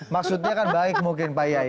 maksudnya kan baik mungkin pak yai